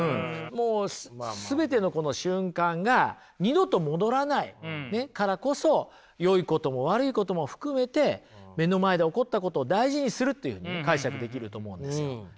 もう全てのこの瞬間が二度と戻らないからこそよいことも悪いことも含めて目の前で起こったことを大事にするというふうにね解釈できると思うんですよええ。